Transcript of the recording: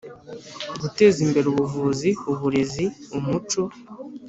Guteza imbere ubuvuzi uburezi umuco